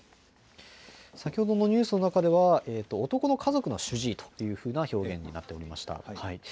先ほどのニュースの中では、男の家族の主治医というような表現になっておりました。